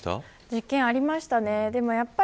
実験ありましたね。